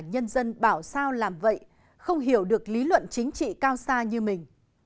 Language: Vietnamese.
nhân dân bảo sao làm vậy không hiểu được lý luận chính trị cao xa như mình